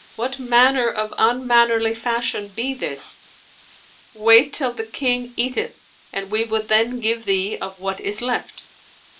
what manner of unmannerly fashion be this? Wait till the King eateth and we will then give thee of what is left."